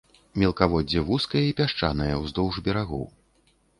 Мелкаводдзе вузкае і пясчанае ўздоўж берагоў.